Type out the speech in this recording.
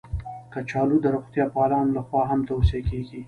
کچالو د روغتیا پالانو لخوا هم توصیه کېږي